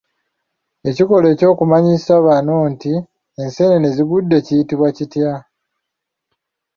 Ekikolwa ky’okumanyisa banno nti enseenene zigudde kiyitibwa kitya?